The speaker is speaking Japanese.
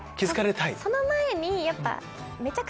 その前にやっぱ。